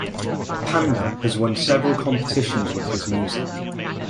Panda has won several competitions with his music.